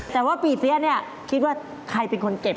แต่ว่าปีเสียเนี่ยคิดว่าใครเป็นคนเก็บ